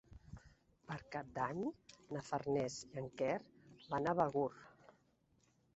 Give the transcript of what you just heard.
Per Cap d'Any na Farners i en Quer van a Begur.